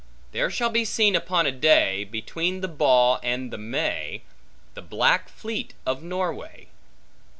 There shall be seen upon a day, Between the Baugh and the May, The black fleet of Norway.